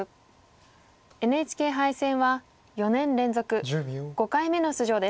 ＮＨＫ杯戦は４年連続５回目の出場です。